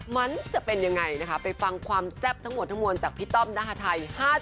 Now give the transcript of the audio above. มันจะเป็นอย่างไรนะคะไปฟังความแซ่บทั้งหมดจากพี่ต้อมณฮาไทย